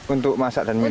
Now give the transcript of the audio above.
untuk masak dan minum